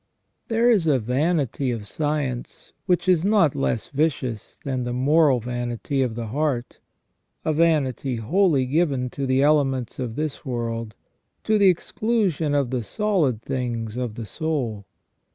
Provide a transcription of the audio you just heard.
There is a vanity of science, which is not less vicious than the moral vanity of the heart — a vanity wholly given to the elements of this world, to the exclusion of the solid things of the soul.